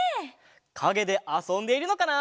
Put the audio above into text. かげであそんでいるのかな？